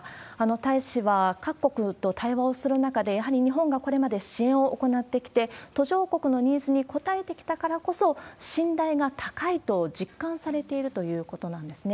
大使は各国と対話をする中で、やはり日本がこれまで支援を行ってきて、途上国のニーズに応えてきたからこそ、信頼が高いと実感されているということなんですね。